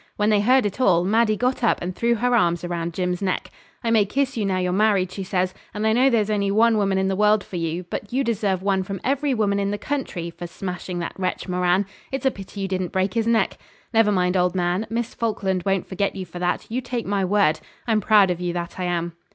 When they heard it all, Maddie got up and threw her arms round Jim's neck. 'I may kiss you now you're married,' she says, 'and I know there's only one woman in the world for you; but you deserve one from every woman in the country for smashing that wretch Moran. It's a pity you didn't break his neck. Never mind, old man; Miss Falkland won't forget you for that, you take my word. I'm proud of you, that I am.'